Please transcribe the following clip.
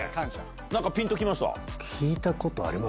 何かピンときました？